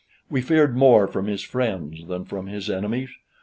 We feared more from his friends than from his enemies.